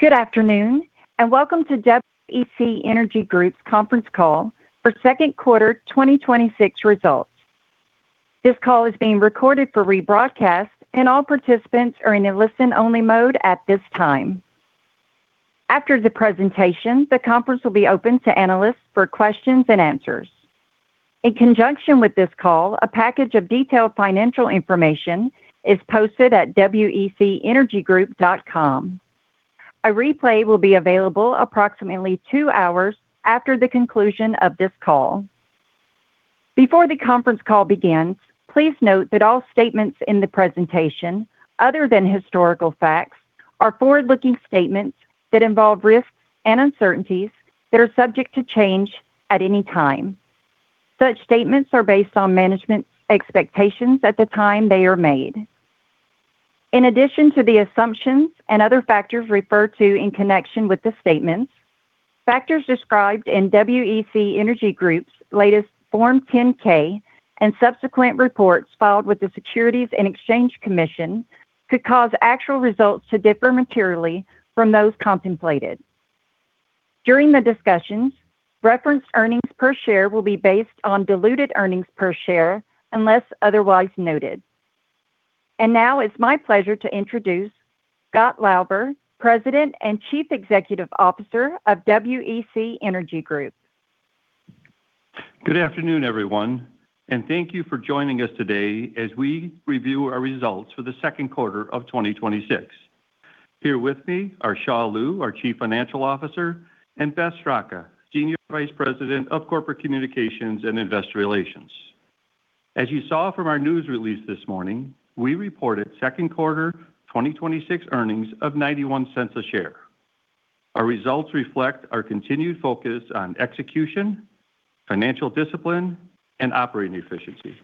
Good afternoon, and welcome to WEC Energy Group's conference call for second quarter 2026 results. This call is being recorded for rebroadcast, and all participants are in a listen-only mode at this time. After the presentation, the conference will be open to analysts for questions-and-answers. In conjunction with this call, a package of detailed financial information is posted at wecenergygroup.com. A replay will be available approximately two hours after the conclusion of this call. Before the conference call begins, please note that all statements in the presentation, other than historical facts, are forward-looking statements that involve risks and uncertainties that are subject to change at any time. Such statements are based on management's expectations at the time they are made. In addition to the assumptions and other factors referred to in connection with the statements, factors described in WEC Energy Group's latest Form 10-K and subsequent reports filed with the Securities and Exchange Commission could cause actual results to differ materially from those contemplated. During the discussions, referenced earnings per share will be based on diluted earnings per share unless otherwise noted. Now it's my pleasure to introduce Scott Lauber, President and Chief Executive Officer of WEC Energy Group. Good afternoon, everyone, and thank you for joining us today as we review our results for the second quarter of 2026. Here with me are Xia Liu, our Chief Financial Officer, and Beth Straka, Senior Vice President of Corporate Communications and Investor Relations. As you saw from our news release this morning, we reported second quarter 2026 earnings of $0.91 a share. Our results reflect our continued focus on execution, financial discipline, and operating efficiency.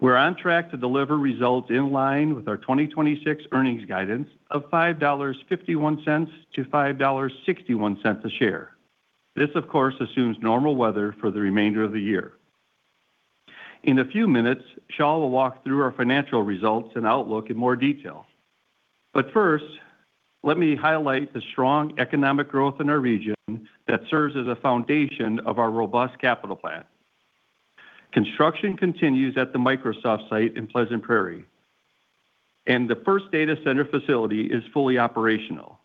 We're on track to deliver results in line with our 2026 earnings guidance of $5.51-$5.61 a share. This, of course, assumes normal weather for the remainder of the year. In a few minutes, Xia will walk through our financial results and outlook in more detail. First, let me highlight the strong economic growth in our region that serves as a foundation of our robust capital plan. Construction continues at the Microsoft site in Pleasant Prairie, and the first data center facility is fully operational.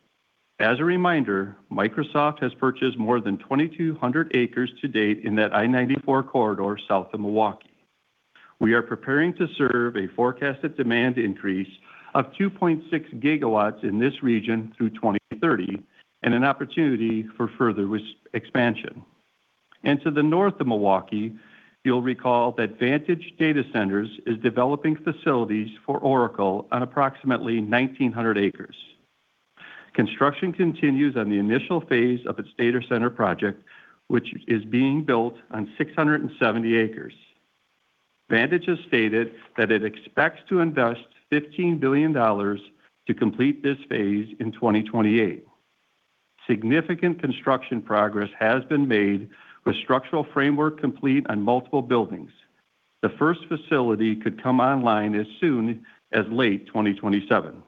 As a reminder, Microsoft has purchased more than 2,200 acres to date in that I-94 corridor south of Milwaukee. We are preparing to serve a forecasted demand increase of 2.6 GW in this region through 2030, and an opportunity for further expansion. To the north of Milwaukee, you'll recall that Vantage Data Centers is developing facilities for Oracle on approximately 1,900 acres. Construction continues on the initial phase of its data center project, which is being built on 670 acres. Vantage has stated that it expects to invest $15 billion to complete this phase in 2028. Significant construction progress has been made with structural framework complete on multiple buildings. The first facility could come online as soon as late 2027.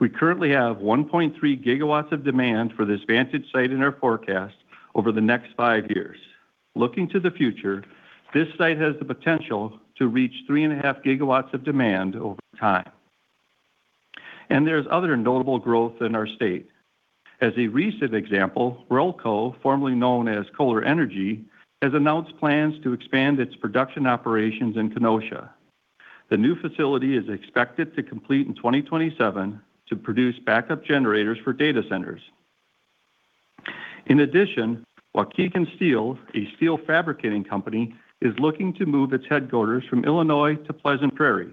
We currently have 1.3 GW of demand for this Vantage site in our forecast over the next five years. Looking to the future, this site has the potential to reach 3.5 GW of demand over time. There's other notable growth in our state. As a recent example, Rehlko, formerly known as Kohler Energy, has announced plans to expand its production operations in Kenosha. The new facility is expected to complete in 2027 to produce backup generators for data centers. In addition, Waukegan Steel, a steel fabricating company, is looking to move its headquarters from Illinois to Pleasant Prairie.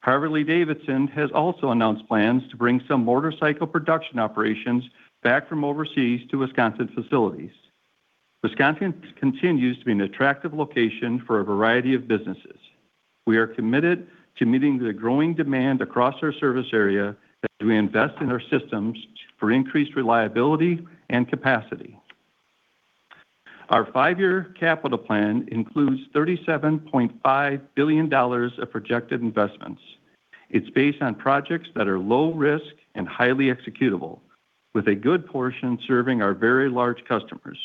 Harley-Davidson has also announced plans to bring some motorcycle production operations back from overseas to Wisconsin facilities. Wisconsin continues to be an attractive location for a variety of businesses. We are committed to meeting the growing demand across our service area as we invest in our systems for increased reliability and capacity. Our five-year capital plan includes $37.5 billion of projected investments. It's based on projects that are low risk and highly executable, with a good portion serving our very large customers.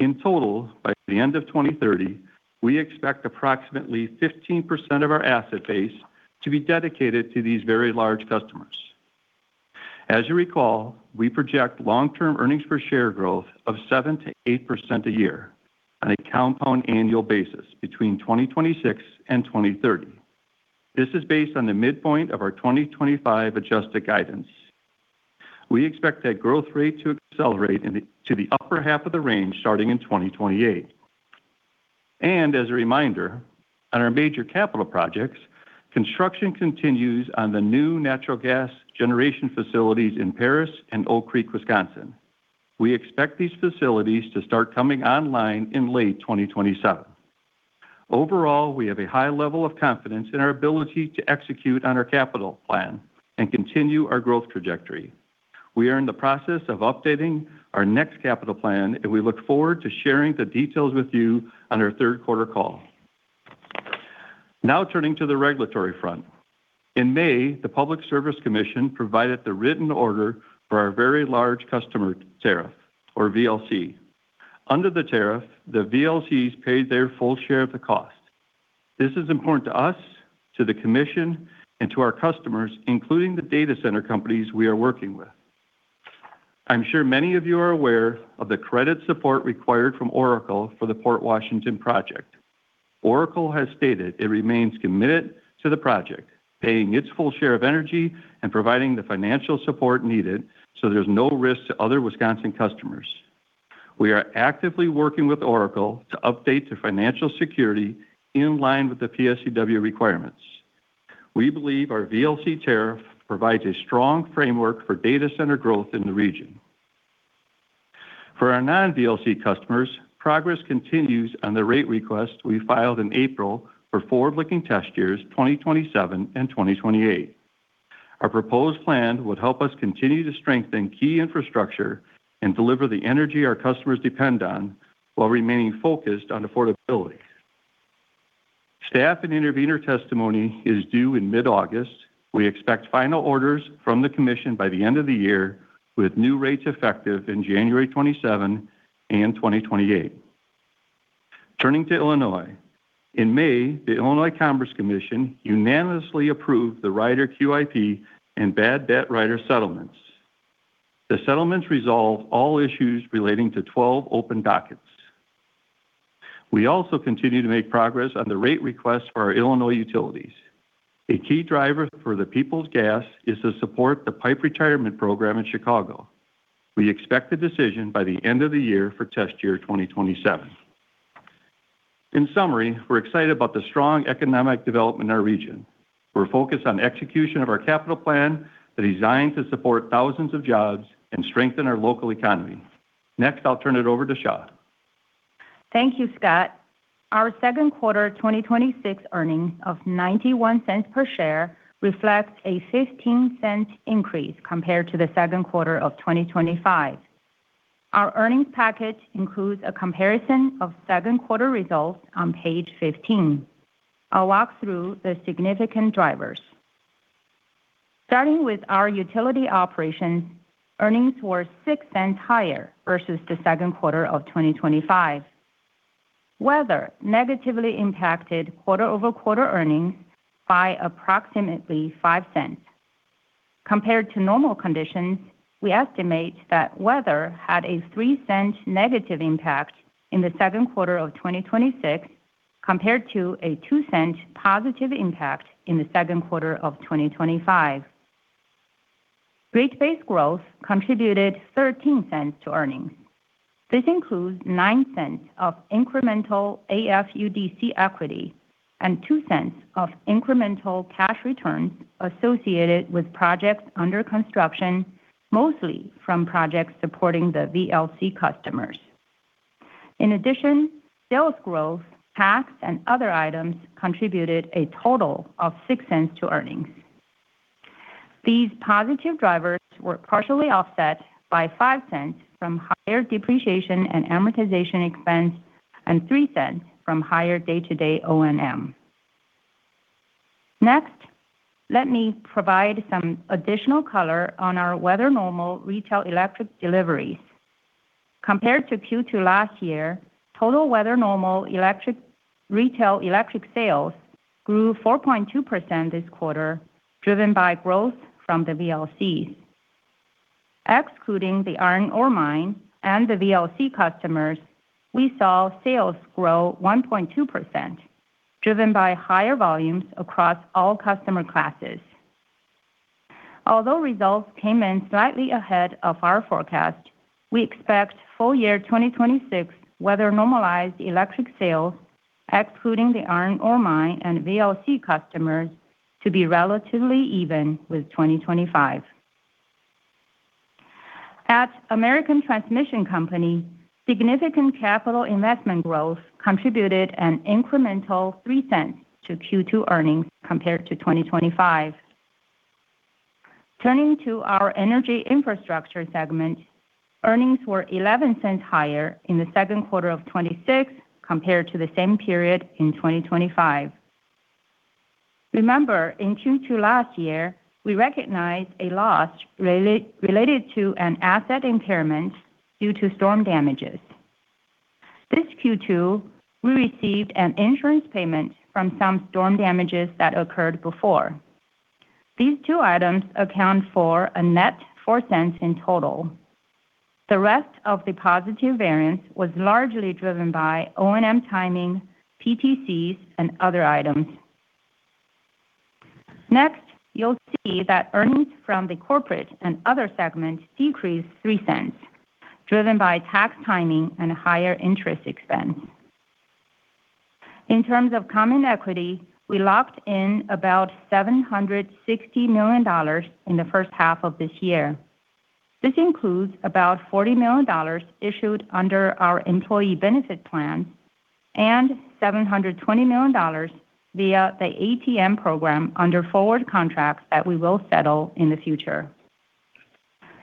In total, by the end of 2030, we expect approximately 15% of our asset base to be dedicated to these very large customers. As you recall, we project long-term earnings per share growth of 7%-8% a year on a compound annual basis between 2026 and 2030. This is based on the midpoint of our 2025 adjusted guidance. We expect that growth rate to accelerate to the upper half of the range starting in 2028. As a reminder, on our major capital projects, construction continues on the new natural gas generation facilities in Paris and Oak Creek, Wisconsin. We expect these facilities to start coming online in late 2027. Overall, we have a high level of confidence in our ability to execute on our capital plan and continue our growth trajectory. We are in the process of updating our next capital plan, and we look forward to sharing the details with you on our third quarter call. Now turning to the regulatory front. In May, the Public Service Commission provided the written order for our very large customer tariff, or VLC. Under the tariff, the VLCs paid their full share of the cost. This is important to us, to the commission, and to our customers, including the data center companies we are working with. I'm sure many of you are aware of the credit support required from Oracle for the Port Washington project. Oracle has stated it remains committed to the project, paying its full share of energy and providing the financial support needed so there's no risk to other Wisconsin customers. We are actively working with Oracle to update the financial security in line with the PSCW requirements. We believe our VLC tariff provides a strong framework for data center growth in the region. For our non-VLC customers, progress continues on the rate request we filed in April for forward-looking test years 2027 and 2028. Our proposed plan would help us continue to strengthen key infrastructure and deliver the energy our customers depend on while remaining focused on affordability. Staff and intervener testimony is due in mid-August. We expect final orders from the commission by the end of the year, with new rates effective in January 2027 and 2028. Turning to Illinois. In May, the Illinois Commerce Commission unanimously approved the Rider QIP and bad debt rider settlements. The settlements resolve all issues relating to 12 open dockets. We also continue to make progress on the rate request for our Illinois utilities. A key driver for the Peoples Gas is to support the PIPE retirement program in Chicago. We expect a decision by the end of the year for test year 2027. In summary, we're excited about the strong economic development in our region. We're focused on execution of our capital plan that is designed to support thousands of jobs and strengthen our local economy. Next, I'll turn it over to Xia. Thank you, Scott. Our second quarter 2026 earnings of $0.91 per share reflects a $0.15 increase compared to the second quarter of 2025. Our earnings package includes a comparison of second quarter results on page 15. I'll walk through the significant drivers. Starting with our utility operations, earnings were $0.06 higher versus the second quarter of 2025. Weather negatively impacted quarter-over-quarter earnings by approximately $0.05. Compared to normal conditions, we estimate that weather had a -$0.03 impact in the second quarter of 2026, compared to a $0.02 positive impact in the second quarter of 2025. Rate base growth contributed $0.13 to earnings. This includes $0.09 of incremental AFUDC equity and $0.02 of incremental cash returns associated with projects under construction, mostly from projects supporting the VLC customers. In addition, sales growth, tax, and other items contributed a total of $0.06 to earnings. These positive drivers were partially offset by $0.05 from higher depreciation and amortization expense and $0.03 from higher day-to-day O&M. Next, let me provide some additional color on our weather normal retail electric deliveries. Compared to Q2 last year, total weather normal retail electric sales grew 4.2% this quarter, driven by growth from the VLCs. Excluding the iron ore mine and the VLC customers, we saw sales grow 1.2%, driven by higher volumes across all customer classes. Although results came in slightly ahead of our forecast, we expect full year 2026 weather normalized electric sales, excluding the iron ore mine and VLC customers, to be relatively even with 2025. At American Transmission Company, significant capital investment growth contributed an incremental $0.03-Q2 earnings compared to 2025. Turning to our energy infrastructure segment, earnings were $0.11 higher in the second quarter of 2026 compared to the same period in 2025. Remember, in Q2 last year, we recognized a loss related to an asset impairment due to storm damages. This Q2, we received an insurance payment from some storm damages that occurred before. These two items account for a net $0.04 in total. The rest of the positive variance was largely driven by O&M timing, PTCs, and other items. Next, you'll see that earnings from the corporate and other segments decreased $0.03, driven by tax timing and higher interest expense. In terms of common equity, we locked in about $760 million in the first half of this year. This includes about $40 million issued under our employee benefit plan and $720 million via the ATM program under forward contracts that we will settle in the future.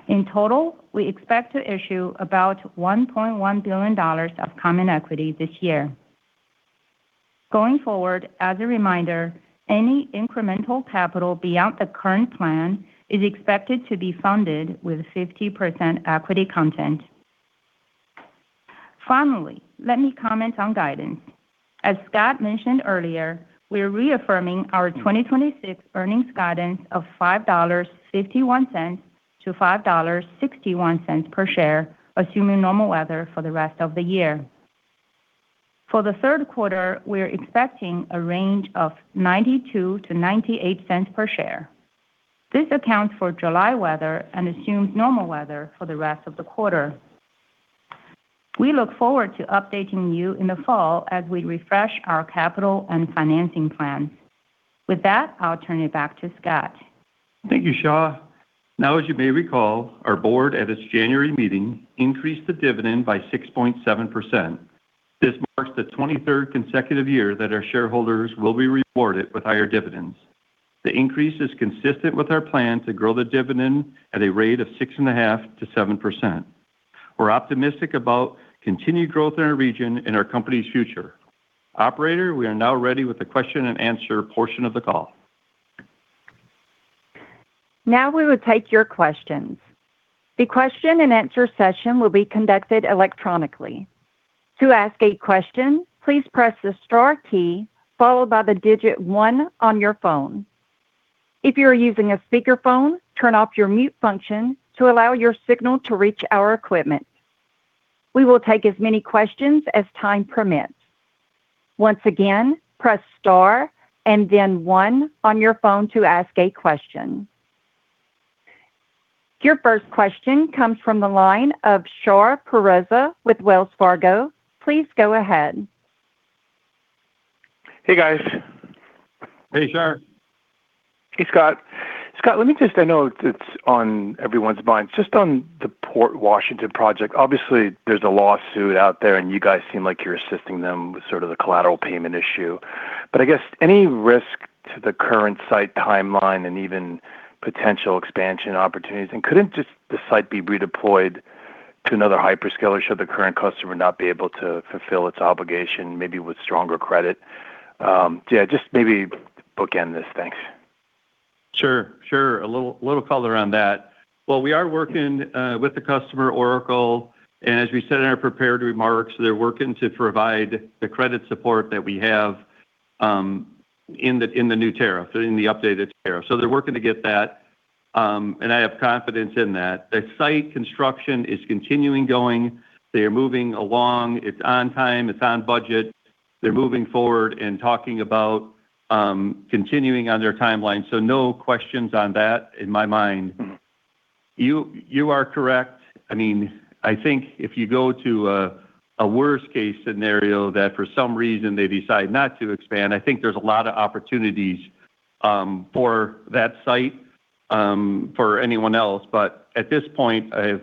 In total, we expect to issue about $1.1 billion of common equity this year. Going forward, as a reminder, any incremental capital beyond the current plan is expected to be funded with 50% equity content. Finally, let me comment on guidance. As Scott mentioned earlier, we are reaffirming our 2026 earnings guidance of $5.51-$5.61 per share, assuming normal weather for the rest of the year. For the third quarter, we're expecting a range of $0.92-$0.98 per share. This accounts for July weather and assumes normal weather for the rest of the quarter. We look forward to updating you in the fall as we refresh our capital and financing plan. With that, I'll turn it back to Scott. Thank you, Xia. As you may recall, our board at its January meeting increased the dividend by 6.7%. This marks the 23rd consecutive year that our shareholders will be rewarded with higher dividends. The increase is consistent with our plan to grow the dividend at a rate of 6.5%-7%. We're optimistic about continued growth in our region and our company's future. Operator, we are now ready with the question-and-answer portion of the call. We will take your questions. The question-and-answer session will be conducted electronically. To ask a question, please press the star key followed by the digit one on your phone. If you are using a speakerphone, turn off your mute function to allow your signal to reach our equipment. We will take as many questions as time permits. Once again, press star and then one on your phone to ask a question. Your first question comes from the line of Shar Pourreza with Wells Fargo. Please go ahead. Hey, guys. Hey, Shar. Hey, Scott. Scott, let me just, I know it's on everyone's mind. Just on the Port Washington project, obviously there's a lawsuit out there, and you guys seem like you're assisting them with sort of the collateral payment issue, but I guess any risk to the current site timeline and even potential expansion opportunities, and couldn't just the site be redeployed to another hyperscaler should the current customer not be able to fulfill its obligation, maybe with stronger credit? Yeah, just maybe bookend this. Thanks. Sure. A little color on that. Well, we are working with the customer, Oracle, and as we said in our prepared remarks, they're working to provide the credit support that we have in the new tariff, in the updated tariff. They're working to get that, and I have confidence in that. The site construction is continuing going. They are moving along. It's on time, it's on budget. They're moving forward and talking about continuing on their timeline. No questions on that in my mind. You are correct. I think if you go to a worst case scenario that for some reason they decide not to expand, I think there's a lot of opportunities for that site for anyone else. At this point, I have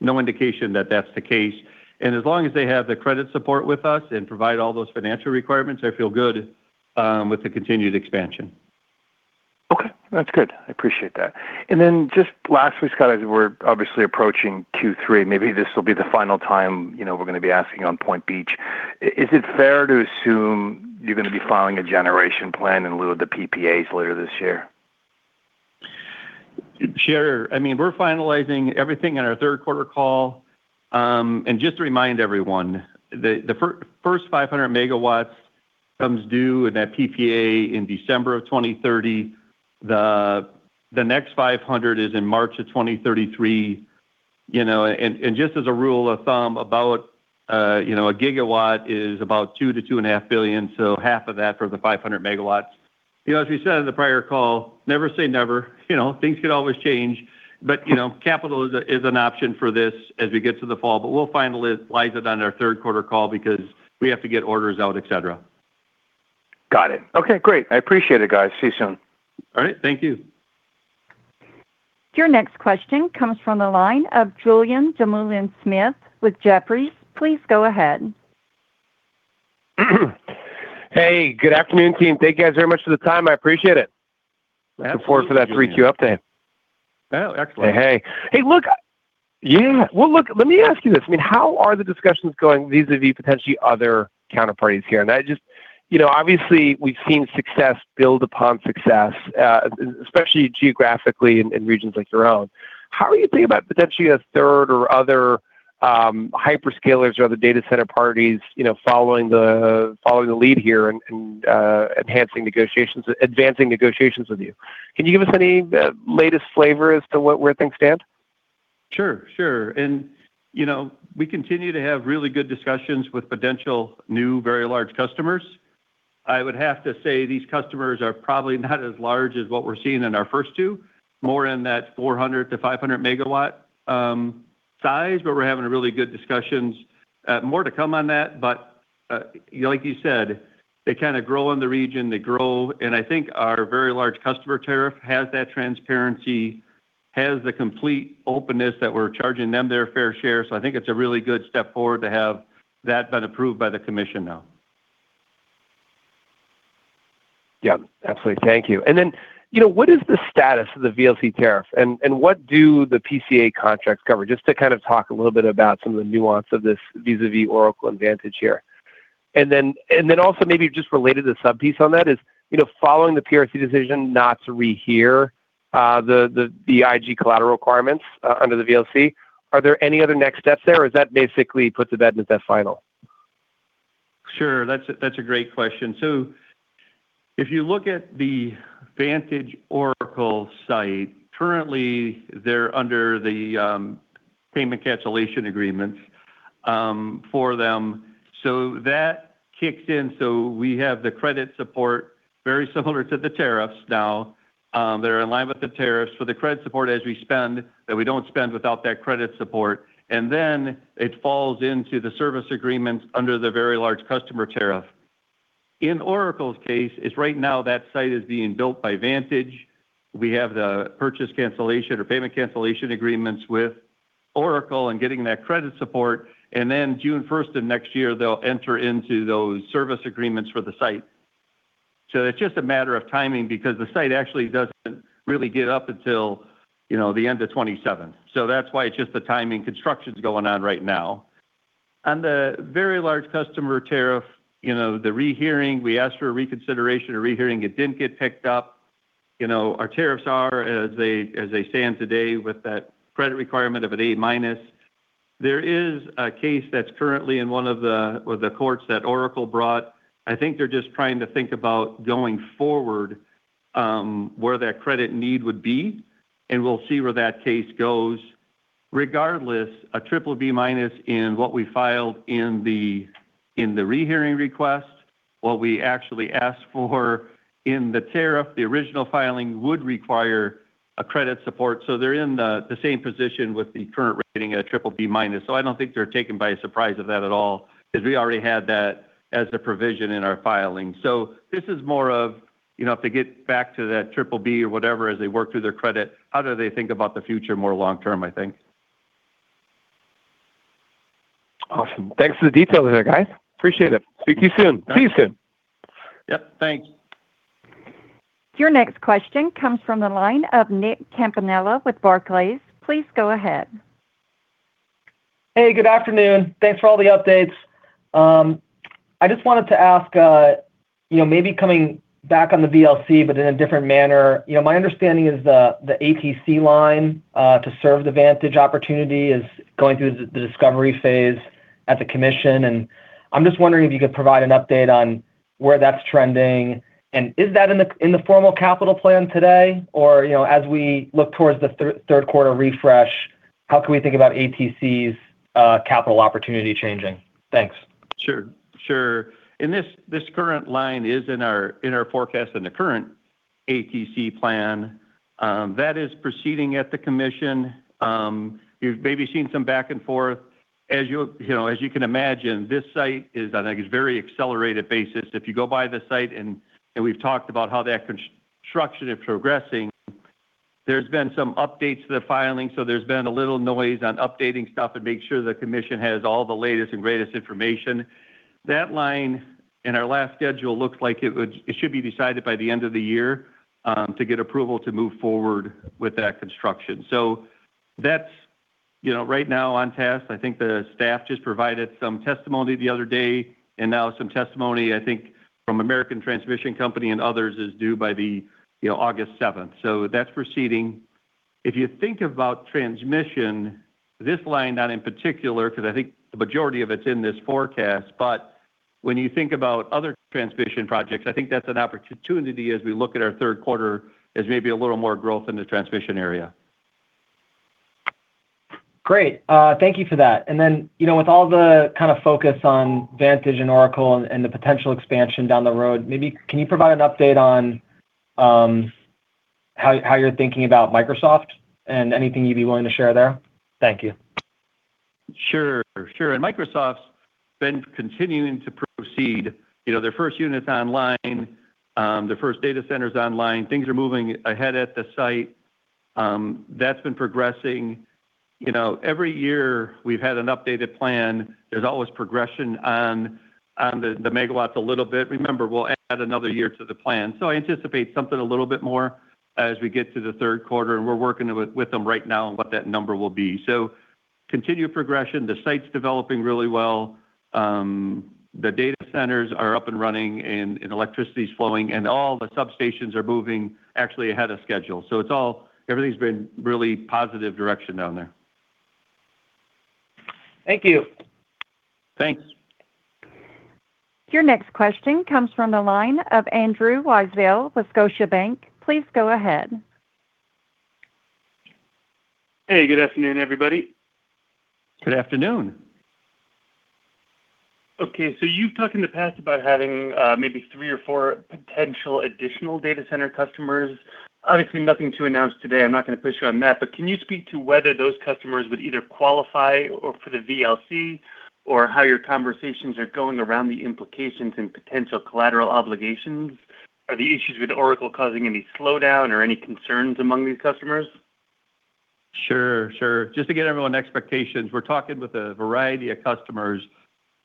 no indication that that's the case. As long as they have the credit support with us and provide all those financial requirements, I feel good with the continued expansion. Okay. That's good. I appreciate that. Just lastly, Scott, as we're obviously approaching Q3, maybe this will be the final time we're going to be asking on Point Beach. Is it fair to assume you're going to be filing a generation plan in lieu of the PPAs later this year? Sure. We're finalizing everything in our third quarter call. Just to remind everyone, the first 500 MW comes due in that PPA in December of 2030. The next 500 MW is in March of 2033. Just as a rule of thumb, about a gigawatt is about $2 billion-$2.5 billion, so half of that for the 500 MW. As we said in the prior call, never say never. Things could always change. Capital is an option for this as we get to the fall. We'll finalize it on our third quarter call because we have to get orders out, et cetera. Got it. Okay, great. I appreciate it, guys. See you soon. All right. Thank you. Your next question comes from the line of Julien Dumoulin-Smith with Jefferies. Please go ahead. Hey, good afternoon, team. Thank you guys very much for the time, I appreciate it. Absolutely. Looking forward for that 3Q update. Oh, excellent. Hey. Hey, look. Yeah. Well, look, let me ask you this. How are the discussions going vis-à-vis potentially other counterparties here? Obviously, we've seen success build upon success, especially geographically in regions like your own. How are you thinking about potentially 1/3 or other hyperscalers or other data center parties following the lead here and enhancing negotiations, advancing negotiations with you? Can you give us any latest flavor as to where things stand? Sure. We continue to have really good discussions with potential new, very large customers. I would have to say these customers are probably not as large as what we're seeing in our first two, more in that 400 to 500 MW size. We're having really good discussions. More to come on that. Like you said, they kind of grow in the region. I think our very large customer tariff has that transparency, has the complete openness that we're charging them their fair share. I think it's a really good step forward to have that been approved by the commission now. Yeah, absolutely. Thank you. What is the status of the VLC tariff, and what do the PCA contracts cover? Just to kind of talk a little bit about some of the nuance of this vis-a-vis Oracle and Vantage here. Also maybe just related, a sub-piece on that is, following the PSCW decision not to rehear the IG collateral requirements under the VLC, are there any other next steps there or does that basically put to bed and it's at final? Sure. That's a great question. If you look at the Vantage Oracle site, currently they're under the payment cancellation agreements for them. That kicks in, so we have the credit support very similar to the tariffs. Now they're in line with the tariffs. The credit support as we spend, that we don't spend without that credit support, and then it falls into the service agreements under the very large customer tariff. In Oracle's case, as right now that site is being built by Vantage, we have the purchase cancellation or payment cancellation agreements with Oracle and getting that credit support. June 1st of next year, they'll enter into those service agreements for the site. It's just a matter of timing because the site actually doesn't really get up until the end of 2027. That's why it's just the timing. Construction's going on right now. On the very large customer tariff, the rehearing, we asked for a reconsideration, a rehearing. It didn't get picked up. Our tariffs are, as they stand today, with that credit requirement of an A-. There is a case that's currently in one of the courts that Oracle brought. I think they're just trying to think about going forward, where that credit need would be, and we'll see where that case goes. Regardless, a BBB- in what we filed in the rehearing request, what we actually asked for in the tariff, the original filing would require a credit support. They're in the same position with the current rating at BBB-. I don't think they're taken by surprise of that at all because we already had that as a provision in our filing. This is more of, if they get back to that BBB or whatever as they work through their credit, how do they think about the future more long term, I think. Awesome. Thanks for the details there, guys. Appreciate it. Speak to you soon. See you soon. Yep, thanks. Your next question comes from the line of Nicholas Campanella with Barclays. Please go ahead. Hey, good afternoon. Thanks for all the updates. I just wanted to ask, maybe coming back on the VLC, but in a different manner. My understanding is the ATC line to serve the Vantage opportunity is going through the discovery phase at the commission, and I'm just wondering if you could provide an update on where that's trending. Is that in the formal capital plan today? Or as we look towards the third quarter refresh, how can we think about ATC's capital opportunity changing? Thanks. Sure. Sure. This current line is in our forecast in the current ATC plan. That is proceeding at the commission. You've maybe seen some back and forth. As you can imagine, this site is on a very accelerated basis. If you go by the site, and we've talked about how that construction is progressing, there's been some updates to the filing. There's been a little noise on updating stuff and making sure the commission has all the latest and greatest information. That line in our last schedule looks like it should be decided by the end of the year to get approval to move forward with that construction. That's right now on task. I think the staff just provided some testimony the other day. Now some testimony, I think, from American Transmission Company and others is due by August 7th. That's proceeding. If you think about transmission, this line, not in particular, because I think the majority of it's in this forecast, but when you think about other transmission projects, I think that's an opportunity as we look at our third quarter as maybe a little more growth in the transmission area. Great. Thank you for that. Then with all the kind of focus on Vantage Data Centers and Oracle and the potential expansion down the road, maybe can you provide an update on how you're thinking about Microsoft and anything you'd be willing to share there? Thank you. Sure. Sure. Microsoft's been continuing to proceed. Their first unit's online. Their first data center's online. Things are moving ahead at the site. That's been progressing. Every year we've had an updated plan. There's always progression on the MW a little bit. Remember, we'll add another year to the plan. I anticipate something a little bit more as we get to the third quarter. We're working with them right now on what that number will be. Continued progression. The site's developing really well. The data centers are up and running, and electricity's flowing, and all the substations are moving actually ahead of schedule. Everything's been really positive direction down there. Thank you. Thanks. Your next question comes from the line of Andrew Weisel with Scotiabank. Please go ahead. Hey, good afternoon, everybody. Good afternoon. Okay, you've talked in the past about having maybe three or four potential additional data center customers. Obviously, nothing to announce today. I'm not going to push you on that. Can you speak to whether those customers would either qualify for the VLC or how your conversations are going around the implications and potential collateral obligations? Are the issues with Oracle causing any slowdown or any concerns among these customers? Sure. Just to get everyone's expectations, we're talking with a variety of customers.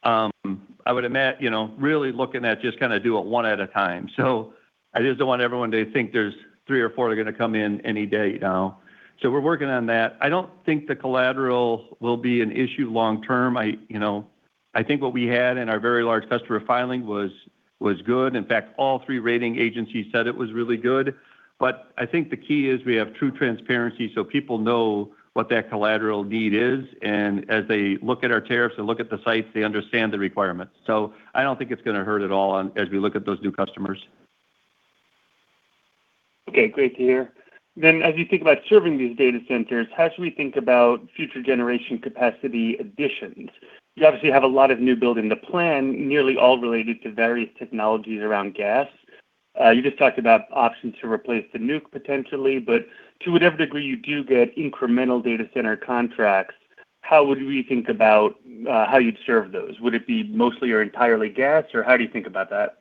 I would imagine, really looking at just kind of do it one at a time. I just don't want everyone to think there's three or four that are going to come in any day now. We're working on that. I don't think the collateral will be an issue long term. I think what we had in our very large customer filing was good. In fact, all three rating agencies said it was really good. I think the key is we have true transparency so people know what that collateral need is, and as they look at our tariffs and look at the sites, they understand the requirements. I don't think it's going to hurt at all as we look at those new customers. Okay, great to hear. As you think about serving these data centers, how should we think about future generation capacity additions? You obviously have a lot of new build in the plan, nearly all related to various technologies around gas. You just talked about options to replace the nuke, potentially, but to whatever degree you do get incremental data center contracts, how would we think about how you'd serve those? Would it be mostly or entirely gas, or how do you think about that?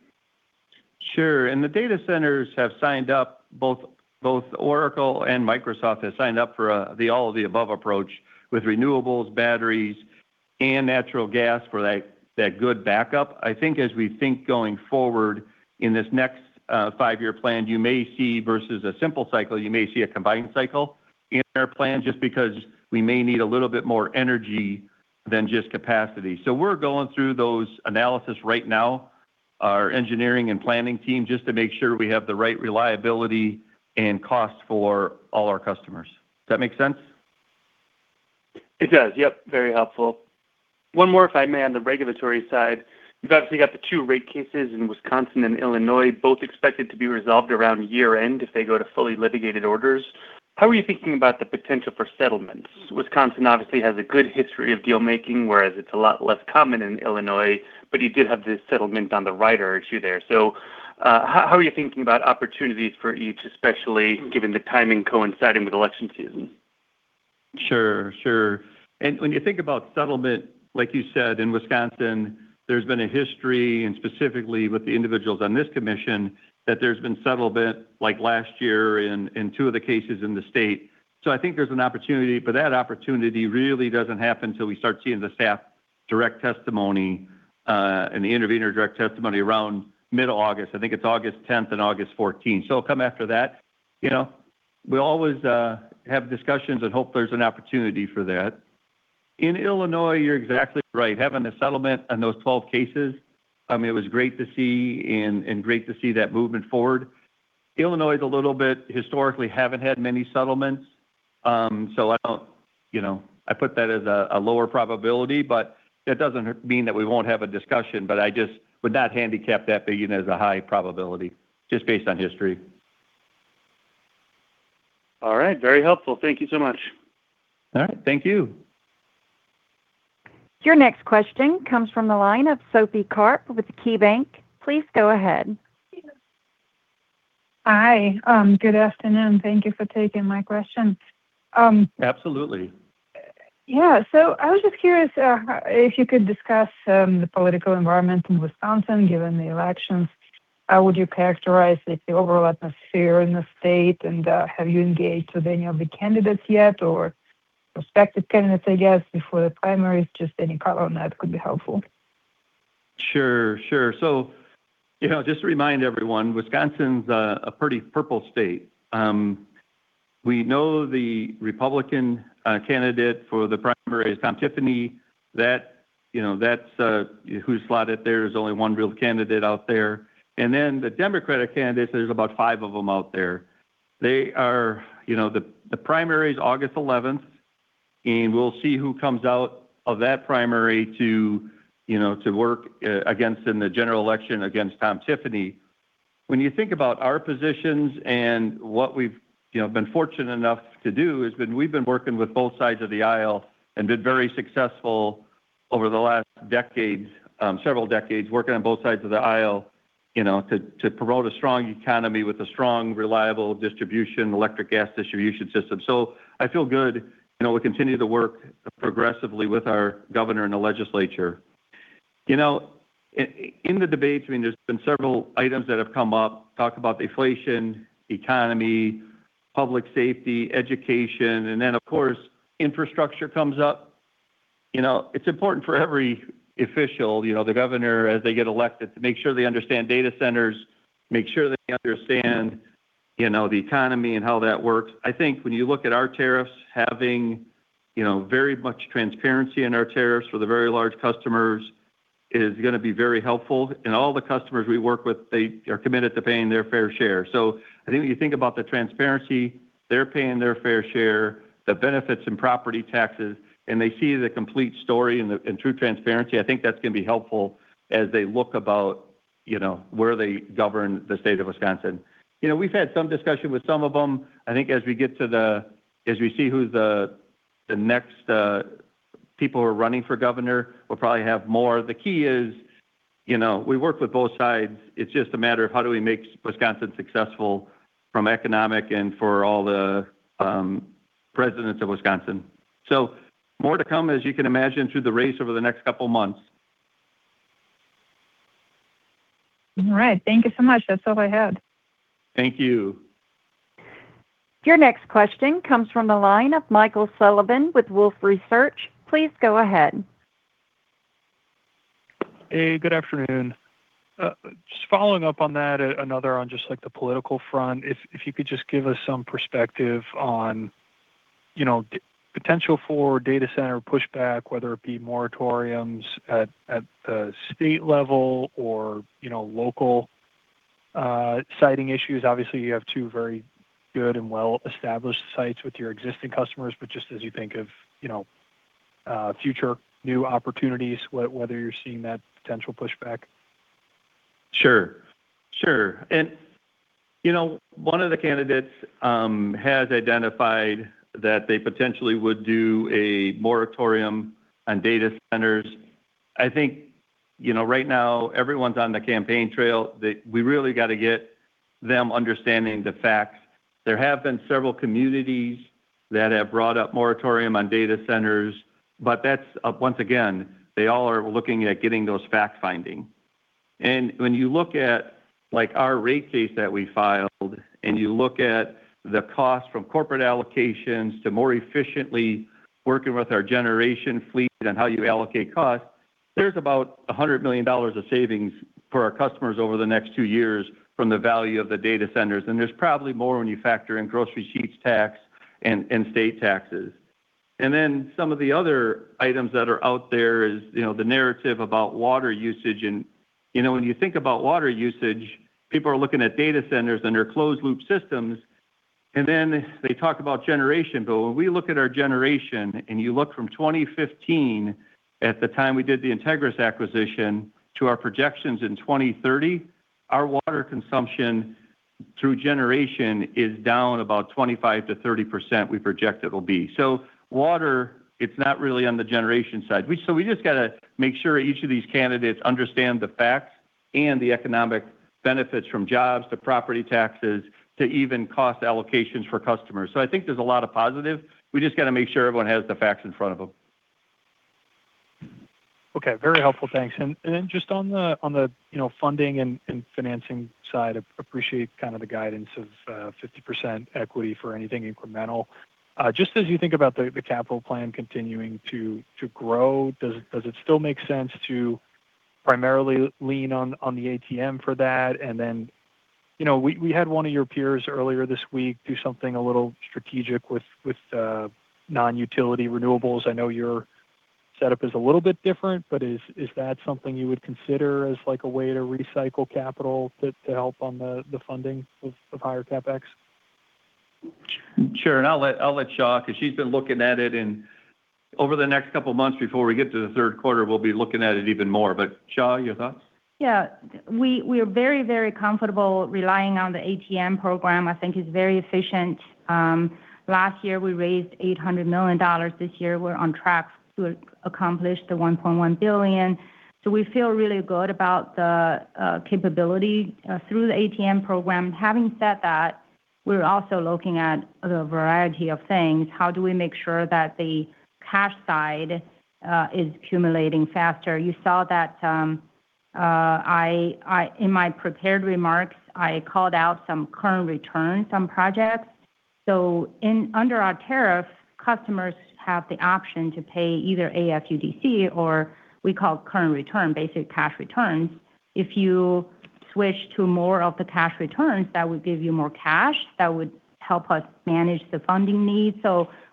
Sure. The data centers have signed up, both Oracle and Microsoft have signed up for the all of the above approach with renewables, batteries, and natural gas for that good backup. I think as we think going forward in this next five-year plan, versus a simple cycle, you may see a combined cycle in our plan, just because we may need a little bit more energy than just capacity. We're going through those analysis right now, our engineering and planning team, just to make sure we have the right reliability and cost for all our customers. Does that make sense? It does, yep. Very helpful. One more, if I may, on the regulatory side. You've obviously got the two rate cases in Wisconsin and Illinois, both expected to be resolved around year-end if they go to fully litigated orders. How are you thinking about the potential for settlements? Wisconsin obviously has a good history of deal-making, whereas it's a lot less common in Illinois, but you did have this settlement on the rider issue there. How are you thinking about opportunities for each, especially given the timing coinciding with election season? Sure. When you think about settlement, like you said, in Wisconsin, there's been a history, and specifically with the individuals on this commission, that there's been settlement like last year in two of the cases in the state. I think there's an opportunity, but that opportunity really doesn't happen till we start seeing the staff direct testimony, and the intervener direct testimony around mid-August. I think it's August 10th and August 14th. It'll come after that. We always have discussions and hope there's an opportunity for that. In Illinois, you're exactly right. Having a settlement on those 12 cases, it was great to see, and great to see that movement forward. Illinois, a little bit historically, haven't had many settlements. I put that as a lower probability, but that doesn't mean that we won't have a discussion. I just would not handicap that being as a high probability, just based on history. All right. Very helpful. Thank you so much. All right. Thank you. Your next question comes from the line of Sophie Karp with KeyBanc. Please go ahead. Hi. Good afternoon. Thank you for taking my question. Absolutely. Yeah. I was just curious if you could discuss the political environment in Wisconsin, given the elections. How would you characterize the overall atmosphere in the state, and have you engaged with any of the candidates yet, or prospective candidates, I guess, before the primaries? Just any color on that could be helpful. Sure. Just to remind everyone, Wisconsin's a pretty purple state. We know the Republican candidate for the primary is Tom Tiffany. That's who's slotted there's only one real candidate out there. The Democratic candidates, there's about five of them out there. The primary is August 11th, we'll see who comes out of that primary to work in the general election against Tom Tiffany. When you think about our positions and what we've been fortunate enough to do, is we've been working with both sides of the aisle and been very successful over the last several decades, working on both sides of the aisle to promote a strong economy with a strong, reliable electric gas distribution system. I feel good. We continue to work progressively with our governor and the legislature. In the debates, there's been several items that have come up, talked about the inflation, economy, public safety, education, of course, infrastructure comes up. It's important for every official, the governor, as they get elected, to make sure they understand data centers, make sure they understand the economy and how that works. I think when you look at our tariffs, having very much transparency in our tariffs for the very large customers is going to be very helpful. All the customers we work with, they are committed to paying their fair share. I think when you think about the transparency, they're paying their fair share, the benefits in property taxes, they see the complete story and true transparency, I think that's going to be helpful as they look about where they govern the state of Wisconsin. We've had some discussion with some of them. I think as we see who the next people who are running for governor, we'll probably have more. The key is, we work with both sides. It's just a matter of how do we make Wisconsin successful from economic and for all the residents of Wisconsin. More to come, as you can imagine, through the race over the next couple of months. All right. Thank you so much. That's all I had. Thank you. Your next question comes from the line of Michael Sullivan with Wolfe Research. Please go ahead. Hey, good afternoon. Just following up on that, another on just the political front, if you could just give us some perspective on potential for data center pushback, whether it be moratoriums at the state level or local siting issues. Obviously, you have two very good and well-established sites with your existing customers. Just as you think of future new opportunities, whether you're seeing that potential pushback. Sure. One of the candidates has identified that they potentially would do a moratorium on data centers. I think right now everyone's on the campaign trail. We really got to get them understanding the facts. There have been several communities that have brought up moratorium on data centers, that's, once again, they all are looking at getting those fact-finding. When you look at our rate case that we filed and you look at the cost from corporate allocations to more efficiently working with our generation fleet on how you allocate costs, there's about $100 million of savings for our customers over the next two years from the value of the data centers. There's probably more when you factor in gross receipts tax and state taxes. Then some of the other items that are out there is the narrative about water usage. When you think about water usage, people are looking at data centers and their closed loop systems, then they talk about generation. When we look at our generation and you look from 2015, at the time we did the Integrys acquisition, to our projections in 2030, our water consumption through generation is down about 25%-30%, we project it'll be. Water, it's not really on the generation side. We just got to make sure each of these candidates understand the facts and the economic benefits from jobs to property taxes to even cost allocations for customers. I think there's a lot of positive. We just got to make sure everyone has the facts in front of them. Okay. Very helpful. Thanks. Just on the funding and financing side, appreciate kind of the guidance of 50% equity for anything incremental. Just as you think about the capital plan continuing to grow, does it still make sense to primarily lean on the ATM for that? We had one of your peers earlier this week do something a little strategic with non-utility renewables. I know your setup is a little bit different, but is that something you would consider as a way to recycle capital to help on the funding of higher CapEx? Sure. I'll let Xia, because she's been looking at it. Over the next couple of months before we get to the third quarter, we'll be looking at it even more. Xia, your thoughts? Yeah. We are very, very comfortable relying on the ATM program. I think it's very efficient. Last year, we raised $800 million. This year, we're on track to accomplish the $1.1 billion. We feel really good about the capability through the ATM program. Having said that, we're also looking at a variety of things. How do we make sure that the cash side is accumulating faster? You saw that in my prepared remarks, I called out some current returns on projects. Under our tariff, customers have the option to pay either AFUDC or we call current return, basic cash returns. If you switch to more of the cash returns, that would give you more cash. That would help us manage the funding needs.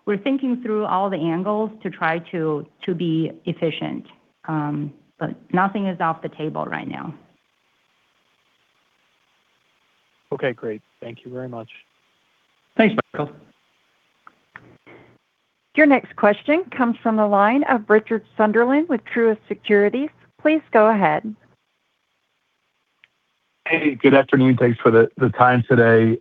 We're thinking through all the angles to try to be efficient, but nothing is off the table right now. Okay, great. Thank you very much. Thanks, Michael. Your next question comes from the line of Richard Sunderland with Truist Securities. Please go ahead. Hey, good afternoon. Thanks for the time today.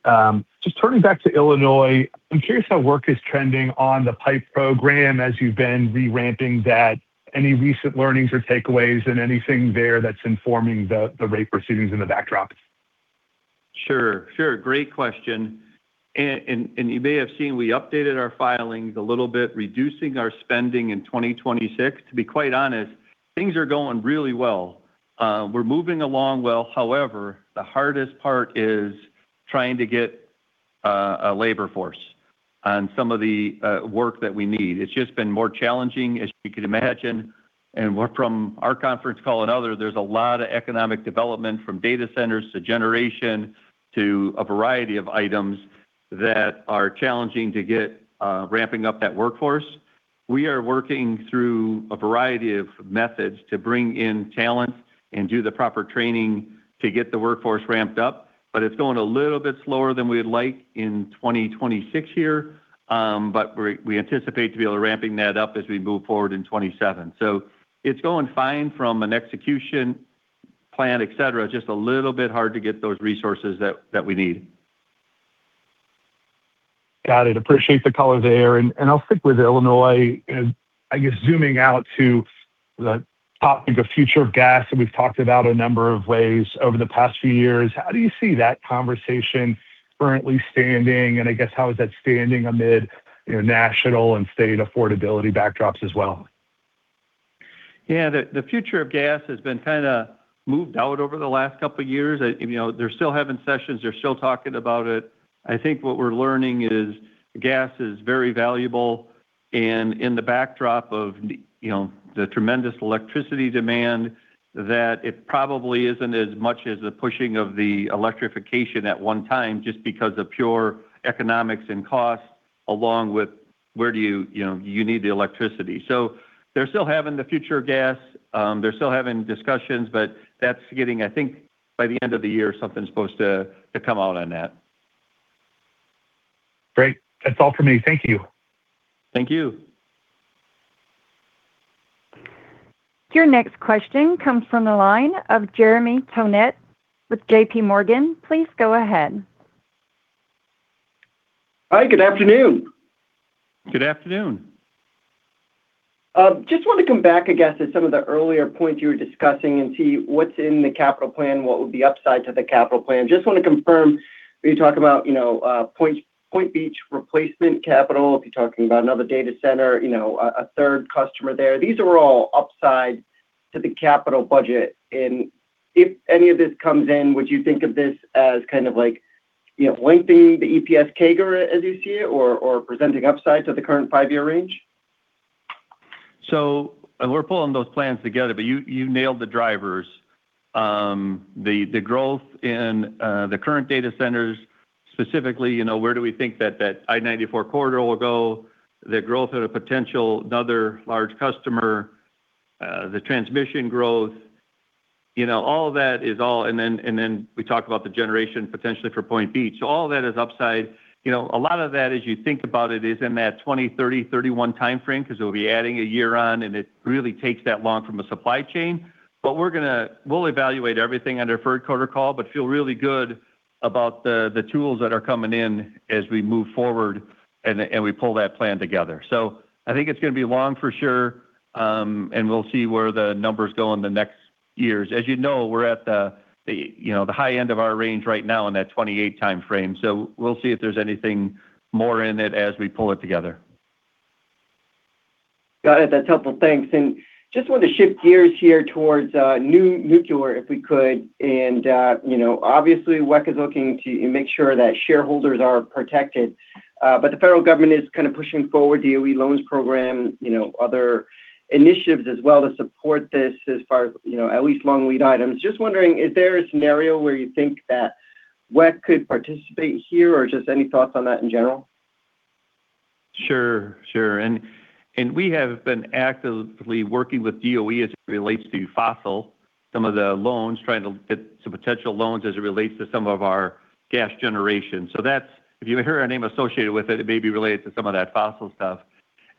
Just turning back to Illinois, I'm curious how work is trending on the PIPE program as you've been re-ramping that. Any recent learnings or takeaways and anything there that's informing the rate proceedings in the backdrop? Sure. Great question. You may have seen we updated our filings a little bit, reducing our spending in 2026. To be quite honest, things are going really well. We're moving along well. However, the hardest part is trying to get a labor force on some of the work that we need. It's just been more challenging, as you can imagine. From our conference call and other, there's a lot of economic development from data centers to generation to a variety of items that are challenging to get ramping up that workforce. We are working through a variety of methods to bring in talent and do the proper training to get the workforce ramped up, but it's going a little bit slower than we'd like in 2026 here. We anticipate to be able to ramping that up as we move forward in 2027. It's going fine from an execution plan, et cetera. Just a little bit hard to get those resources that we need. Got it. Appreciate the color there. I'll stick with Illinois. I guess zooming out to the topic of future of gas that we've talked about a number of ways over the past few years, how do you see that conversation currently standing? I guess how is that standing amid national and state affordability backdrops as well? The future of gas has been kind of moved out over the last couple of years. They're still having sessions. They're still talking about it. I think what we're learning is gas is very valuable and in the backdrop of the tremendous electricity demand, that it probably isn't as much as the pushing of the electrification at one time, just because of pure economics and cost, along with where you need the electricity. They're still having the future of gas. They're still having discussions, but I think by the end of the year, something's supposed to come out on that. Great. That's all for me. Thank you. Thank you. Your next question comes from the line of Jeremy Tonet with JPMorgan. Please go ahead. Hi, good afternoon. Good afternoon. Just want to come back, I guess, at some of the earlier points you were discussing and see what's in the capital plan, what would be upside to the capital plan. Just want to confirm, were you talking about Point Beach replacement capital? If you're talking about another data center, a third customer there. These are all upside to the capital budget, and if any of this comes in, would you think of this as kind of like lengthening the EPS CAGR as you see it or presenting upside to the current five-year range? We're pulling those plans together, but you nailed the drivers. The growth in the current data centers, specifically, where do we think that I-94 corridor will go? The growth of a potential another large customer, the transmission growth, and then we talk about the generation potentially for Point Beach. All of that is upside. A lot of that, as you think about it, is in that 2030, 2031 timeframe because we'll be adding a year on and it really takes that long from a supply chain. We'll evaluate everything under FERC protocol, but feel really good about the tools that are coming in as we move forward and we pull that plan together. I think it's going to be long for sure, and we'll see where the numbers go in the next years. As you know, we're at the high end of our range right now in that 2028 timeframe. We'll see if there's anything more in it as we pull it together. Got it. That's helpful. Thanks. Just want to shift gears here towards nuclear, if we could, obviously WEC is looking to make sure that shareholders are protected. The federal government is kind of pushing forward DOE loans program, other initiatives as well to support this as far as at least long lead items. Just wondering, is there a scenario where you think that WEC could participate here? Or just any thoughts on that in general? Sure. We have been actively working with DOE as it relates to fossil, some of the loans, trying to get some potential loans as it relates to some of our gas generation. If you hear our name associated with it may be related to some of that fossil stuff.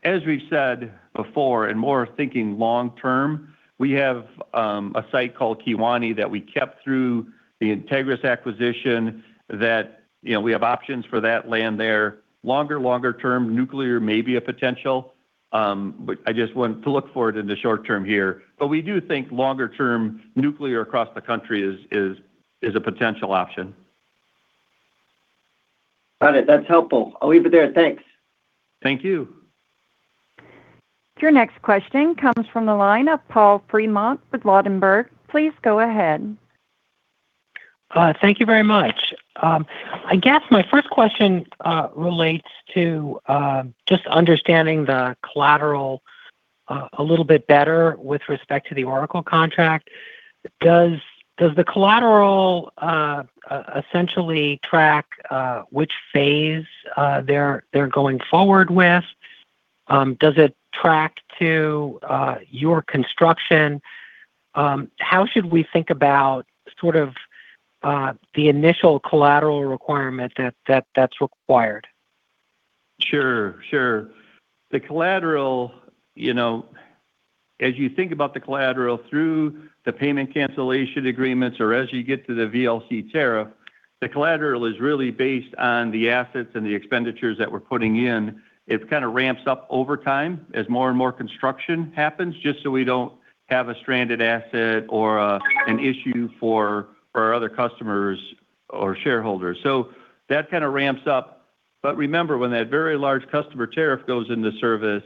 As we've said before, more thinking long-term, we have a site called Kewaunee that we kept through the Integrys acquisition that we have options for that land there. Longer, longer term, nuclear may be a potential. I just wouldn't to look for it in the short term here. We do think longer term nuclear across the country is a potential option. Got it. That's helpful. I'll leave it there. Thanks. Thank you. Your next question comes from the line of Paul Fremont with Ladenburg Thalmann. Please go ahead. Thank you very much. I guess my first question relates to just understanding the collateral a little bit better with respect to the Oracle contract. Does the collateral essentially track which phase they're going forward with? Does it track to your construction? How should we think about sort of the initial collateral requirement that's required? Sure. As you think about the collateral through the payment cancellation agreements or as you get to the VLC tariff, the collateral is really based on the assets and the expenditures that we're putting in. It kind of ramps up over time as more and more construction happens, just so we don't have a stranded asset or an issue for our other customers or shareholders. That kind of ramps up. Remember, when that very large customer tariff goes into service,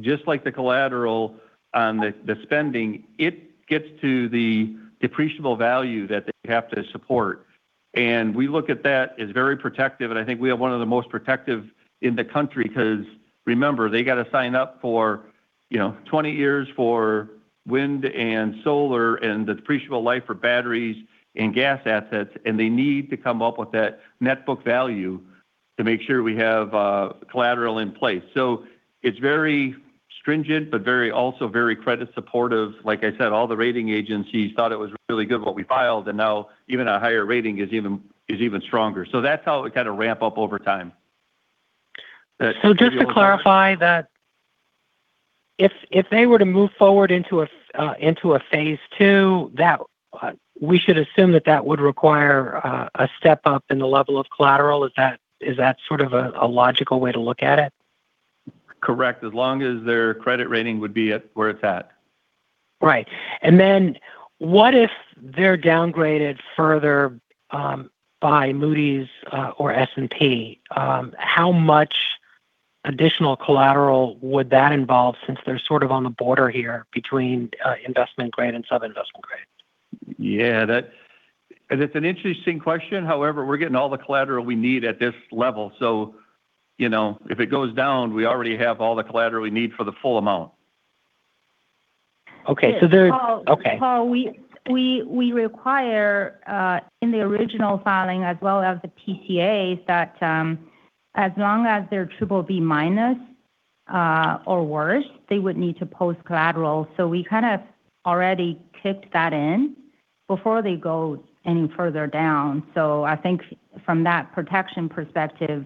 just like the collateral on the spending, it gets to the depreciable value that they have to support. We look at that as very protective, and I think we have one of the most protective in the country because remember, they got to sign up for 20 years for wind and solar and the depreciable life for batteries and gas assets, and they need to come up with that net book value to make sure we have collateral in place. It's very stringent, but also very credit supportive. Like I said, all the rating agencies thought it was really good what we filed, and now even a higher rating is even stronger. That's how it kind of ramp up over time. Just to clarify that if they were to move forward into a phase II, we should assume that that would require a step up in the level of collateral. Is that sort of a logical way to look at it? Correct. As long as their credit rating would be at where it's at. Right. What if they're downgraded further by Moody's or S&P? How much additional collateral would that involve since they're sort of on the border here between Investment Grade and sub-Investment Grade? That's an interesting question. However, we're getting all the collateral we need at this level, so if it goes down, we already have all the collateral we need for the full amount. Okay. Paul, we require, in the original filing as well as the PCAs, that as long as they're BBB- or worse, they would need to post collateral. We kind of already kicked that in before they go any further down. I think from that protection perspective,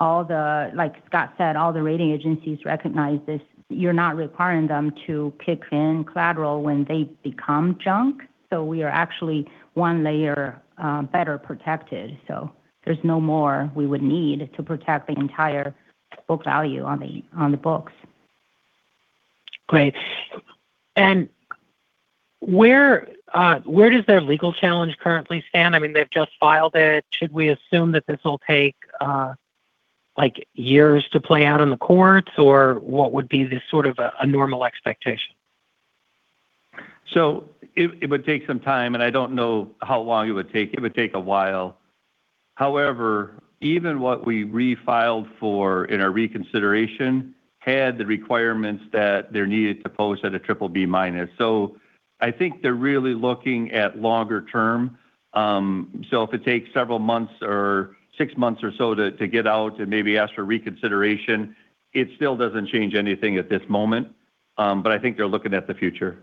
like Scott said, all the rating agencies recognize this. You're not requiring them to kick in collateral when they become junk, so we are actually one layer better protected. There's no more we would need to protect the entire book value on the books. Great. Where does their legal challenge currently stand? They've just filed it. Should we assume that this will take years to play out in the courts, or what would be the sort of a normal expectation? It would take some time, and I don't know how long it would take. It would take a while. However, even what we refiled for in our reconsideration had the requirements that they're needed to post at a triple B minus. I think they're really looking at longer term. If it takes several months or six months or so to get out and maybe ask for reconsideration, it still doesn't change anything at this moment. I think they're looking at the future.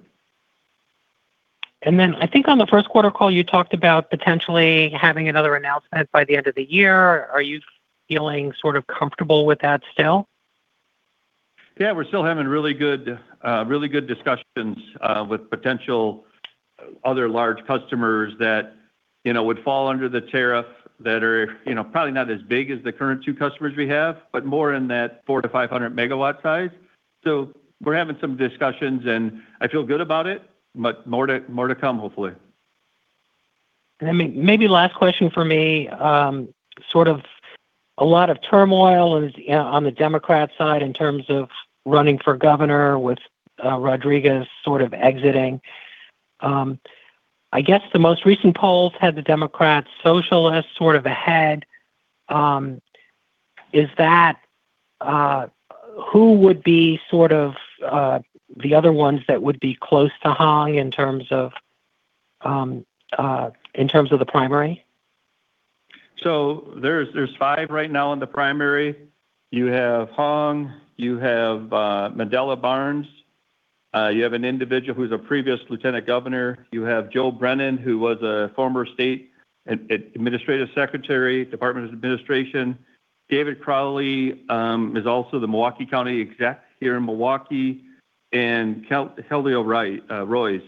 I think on the first quarter call, you talked about potentially having another announcement by the end of the year. Are you feeling sort of comfortable with that still? We're still having really good discussions with potential other large customers that would fall under the tariff that are probably not as big as the current two customers we have, but more in that 400 to 500 MW size. We're having some discussions, and I feel good about it, but more to come hopefully. Maybe last question from me. Sort of a lot of turmoil is on the Democrat side in terms of running for governor with Sara sort of exiting. I guess the most recent polls had the Democrats' socialist sort of ahead. Who would be sort of the other ones that would be close to Hong in terms of the primary? There's five right now in the primary. You have Hong. You have Mandela Barnes. You have an individual who's a previous lieutenant governor. You have Joel Brennan, who was a former state administrative secretary, Department of Administration. David Crowley is also the Milwaukee County Exec here in Milwaukee. Kelda Roys.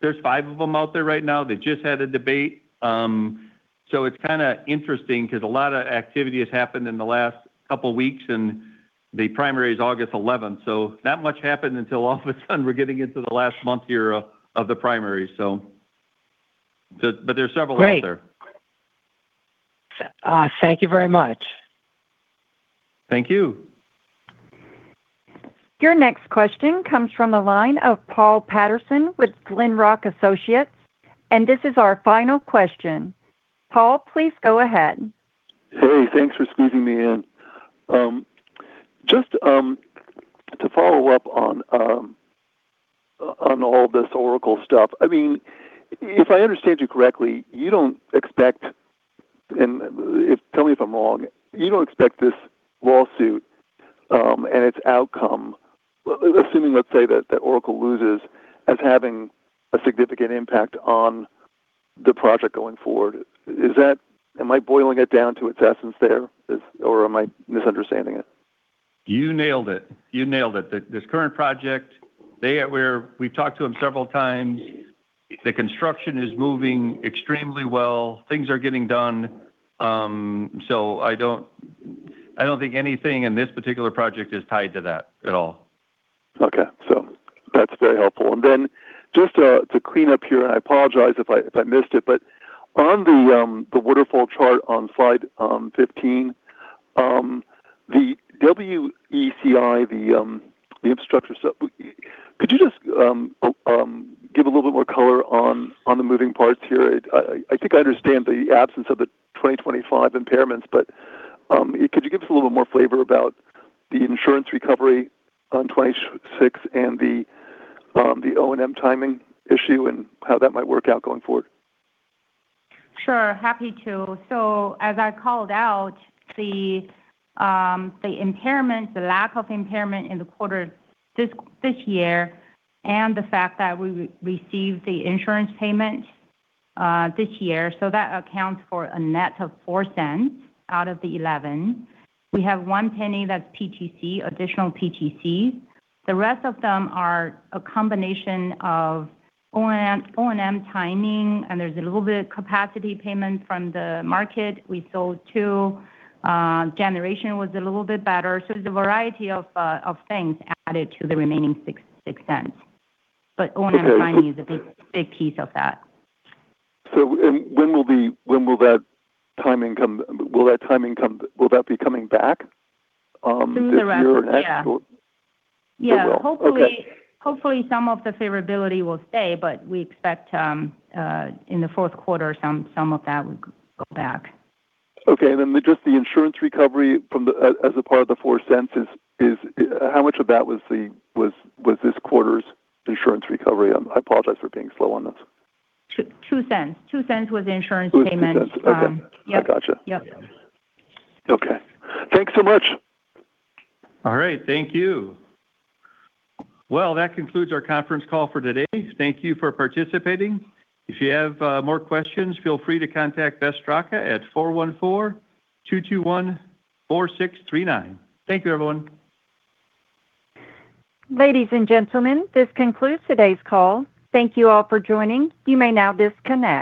There's five of them out there right now. They just had a debate. It's kind of interesting because a lot of activity has happened in the last couple of weeks, and the primary is August 11th, not much happened until all of a sudden we're getting into the last month here of the primary. There are several out there. Great. Thank you very much. Thank you. Your next question comes from the line of Paul Patterson with Glenrock Associates, and this is our final question. Paul, please go ahead. Hey, thanks for squeezing me in. Just to follow up on all this Oracle stuff. If I understand you correctly, you don't expect, and tell me if I'm wrong, you don't expect this lawsuit, and its outcome, assuming, let's say that Oracle loses, as having a significant impact on the project going forward. Am I boiling it down to its essence there? Am I misunderstanding it? You nailed it. You nailed it. This current project, we've talked to them several times. The construction is moving extremely well. Things are getting done. I don't think anything in this particular project is tied to that at all. Okay. That's very helpful. Just to clean up here, and I apologize if I missed it, but on the waterfall chart on slide 15, the WECI, the infrastructure sub. Could you just give a little bit more color on the moving parts here? I think I understand the absence of the 2025 impairments, but could you give us a little more flavor about the insurance recovery on 2026 and the O&M timing issue and how that might work out going forward? Sure. Happy to. As I called out, the lack of impairment in the quarter this year and the fact that we received the insurance payment this year, that accounts for a net of $0.04 out of the $0.11. We have $0.01 that's PTC, additional PTC. The rest of them are a combination of O&M timing, and there's a little bit of capacity payment from the market we sold, too. Generation was a little bit better. There's a variety of things added to the remaining $0.06. O&M timing- Okay is a big piece of that. When will that timing come? Will that be coming back this year or next? Assuming the rest, yeah. Okay. Yeah. Hopefully some of the favorability will stay, but we expect in the fourth quarter some of that would go back. Okay. Just the insurance recovery as a part of the $0.04, how much of that was this quarter's insurance recovery? I apologize for being slow on this. $0.02. $0.02 was the insurance payment. It was $0.02. Okay. Yep. I got you. Yep. Okay. Thanks so much. All right. Thank you. Well, that concludes our conference call for today. Thank you for participating. If you have more questions, feel free to contact Beth Straka at 414-221-4639. Thank you, everyone. Ladies and gentlemen, this concludes today's call. Thank you all for joining. You may now disconnect.